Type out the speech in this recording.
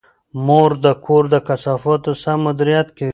مور د کور د کثافاتو سم مدیریت کوي.